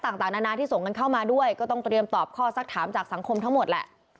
ต่างนานาที่ส่งกันเข้ามาด้วยก็ต้องเตรียมตอบข้อสักถามจากสังคมทั้งหมดแหละ